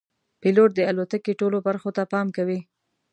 پیلوټ د الوتکې ټولو برخو ته پام کوي.